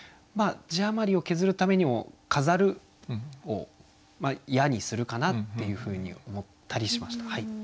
字余りを削るためにも「飾る」を「や」にするかなっていうふうに思ったりしました。